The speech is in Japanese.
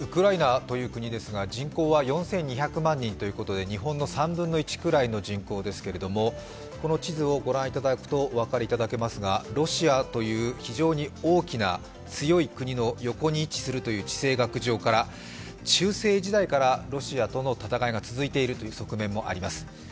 ウクライナという国ですが人口は４２００万人ということで、日本の３分の１くらいの人口ですけれども、この地図を御覧いただくとお分かりいただけますがロシアという非常に大きな強い国の横に位置するという地政学上から中世時代からロシアとの戦いが続いているという側面もあります。